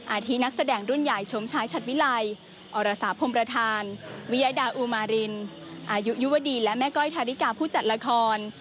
ที่นักแสดงรุ่นใหญ่ชมชายชัดวิไลอรสาพรมประธานวิยดาอุมารินอายุยุวดีและแม่ก้อยทาริกาผู้จัดละคร